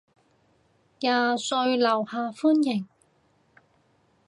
廿歲樓下歡迎